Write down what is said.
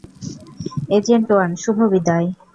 Agent one, শুভ বিদায়।